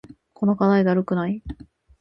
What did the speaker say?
この課題だるくない？